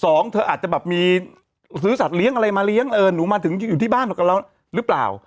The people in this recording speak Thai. เธออาจจะแบบมีซื้อสัตว์เลี้ยงอะไรมาเลี้ยงเออหนูมาถึงอยู่ที่บ้านกับเราหรือเปล่า